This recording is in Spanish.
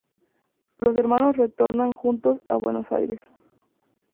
Los hermanos retornan juntos a Buenos Aires.